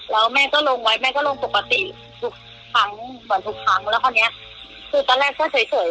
แล้วแม่ก็ลงไว้ประมาณวันทุกครั้งแล้วตอนนี้คือตั้งแต่แรกได้เฉย